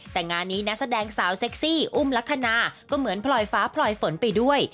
แต่งานนี้นักแสดงสาวเซ็กซี่อุ้มลักษณะก็เหมือนพลอยฟ้าพลอยฝนไปด้วย